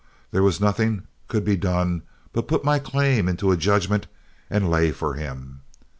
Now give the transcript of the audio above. There was nothing could be done but put my claim into a judgment and lay for him.